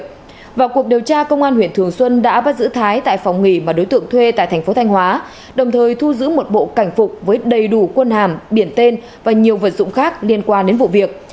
trong cuộc điều tra công an huyện thường xuân đã bắt giữ thái tại phòng nghỉ mà đối tượng thuê tại thành phố thanh hóa đồng thời thu giữ một bộ cảnh phục với đầy đủ quân hàm biển tên và nhiều vật dụng khác liên quan đến vụ việc